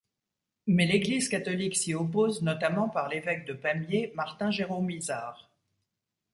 Mais l'église catholique s'y oppose notamment par l'évêque de Pamiers Martin Jérôme Izart.